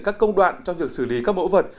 các công đoạn trong việc xử lý các mẫu vật